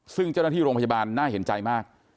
ซึ่งเจ้าหน้าที่โรงพยาบาลน่าเห็นใจมาก